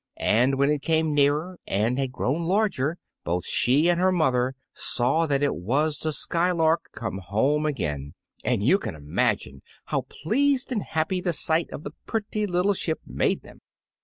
And when it came nearer and had grown larger, both she and her mother saw that it was the "Skylark" come home again, and you can imagine how pleased and happy the sight of the pretty little ship made them.